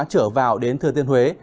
trở vào đến thừa tiên huế